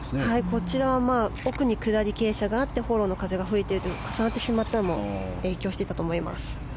こちらは奥に下り傾斜があってフォローの風が吹いているということが重なったことも影響していたと思います。